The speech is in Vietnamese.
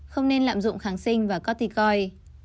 không nên lạm dụng kháng sinh và corticoid